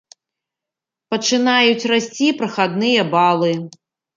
Пачынаюць расці прахадныя балы.